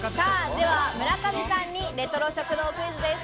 では村上さんにレトロ食堂クイズです。